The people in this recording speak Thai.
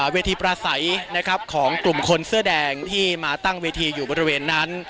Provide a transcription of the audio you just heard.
เวทีประสัยของกลุ่มคนเสื้อแดงที่มาตั้งเวทีอยู่บริเวณนั้น